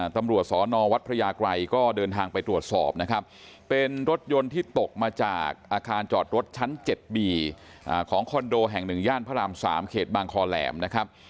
ตำรวจสอนอวัดพระยากรัยก็เดินทางไปตรวจสอบนะครับเป็นรถยนต์ที่ตกมาจากอาคารจอดรถชั้น๗บีของคอนโดแห่ง๑ย่านพระราม๓เขตบางคอแหลมนะครับ